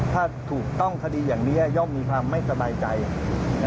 ถ้าถูกต้องคดีอย่างนี้ย่อมมีความไม่สบายใจ